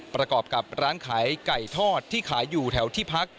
ประกอบกับร้านขายไก่ทอดที่ขายอยู่แถวที่พัก